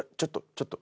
ちょっと。